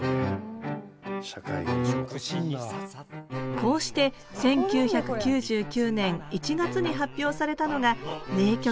こうして１９９９年１月に発表されたのが名曲